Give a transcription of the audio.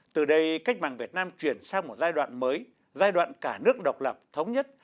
từ đây cách mạng việt nam chuyển sang một giai đoạn mới giai đoạn cả nước độc lập thống nhất